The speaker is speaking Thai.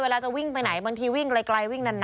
เวลาจะวิ่งไปไหนบางทีกลายวิ่งนาน